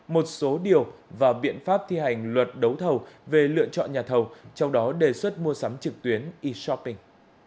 một số điều và biện pháp thi hành luật đấu thầu về lựa chọn nhà thầu trong đó đề xuất mua sắm trực tuyến e shopping